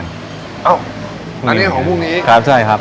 อันนี้ของพรุ่งนี้